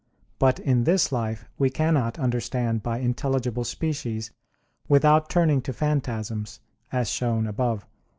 But in this life we cannot understand by intelligible species without turning to phantasms, as shown above (Q.